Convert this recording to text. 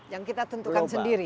yang kita tentukan sendiri